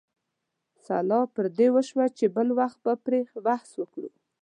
سلا پر دې وشوه چې بل وخت به پرې بحث وکړو.